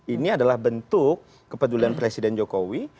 ini adalah bentuk kepedulian presiden jokowi